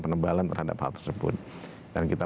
penebalan terhadap hal tersebut dan kita